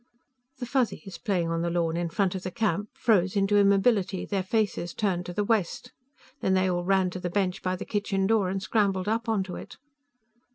The Fuzzies, playing on the lawn in front of the camp, froze into immobility, their faces turned to the west. Then they all ran to the bench by the kitchen door and scrambled up onto it.